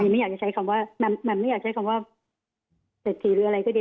มันไม่อยากใช้คำว่าเศรษฐีหรืออะไรก็ดี